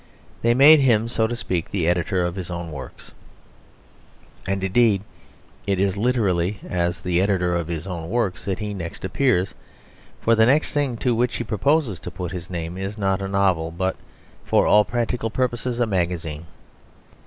They made him, so to speak, the editor of his own works. And indeed it is literally as the editor of his own works that he next appears; for the next thing to which he proposes to put his name is not a novel, but for all practical purposes a magazine.